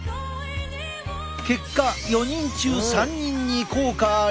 結果４人中３人に効果あり。